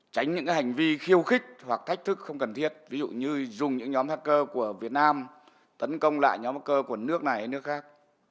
tránh những hành vi khiêu khích hoặc thách thức không cần thiết ví dụ như dùng những nhóm hacker của việt nam tấn công lại nhóm ha của nước này nước khác